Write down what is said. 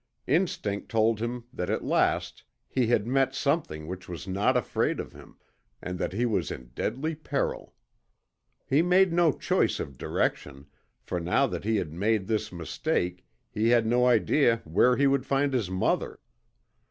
Instinct told him that at last he had met something which was not afraid of him, and that he was in deadly peril. He made no choice of direction, for now that he had made this mistake he had no idea where he would find his mother.